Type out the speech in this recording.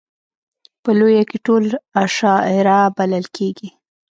په لویه کې ټول اشاعره بلل کېږي.